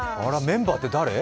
メンバーって誰？